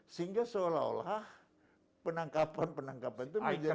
sehingga seolah olah penangkapan penangkapan itu menjadi